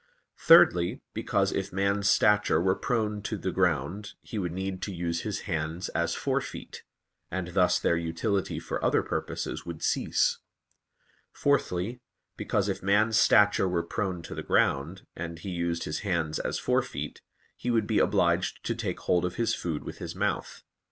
Thirdly, because if man's stature were prone to the ground he would need to use his hands as fore feet; and thus their utility for other purposes would cease. Fourthly, because if man's stature were prone to the ground, and he used his hands as fore feet, he would be obliged to take hold of his food with his mouth.